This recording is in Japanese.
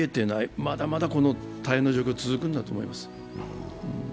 まだまだ大変な状況は続くんだと思います。